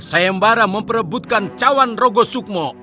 sayembara memperebutkan cawan rogo sukmo